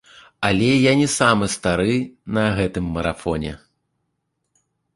Але я не самы стары на гэтым марафоне.